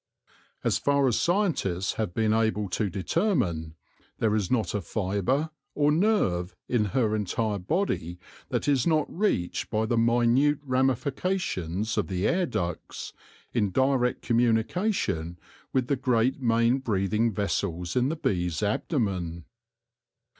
As far as scientists have been able to determine, there is not a fibre or nerve in her entire body that is not reached by the minute ramifications of the air ducts, in direct com munication with the great main breathing vessels in the bee's abdomen.